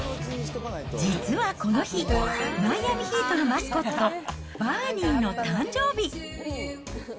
実はこの日、マイアミ・ヒートのマスコット、バーニーの誕生日。